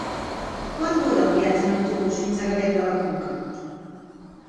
Quant dura el viatge en autobús fins a Gavet de la Conca?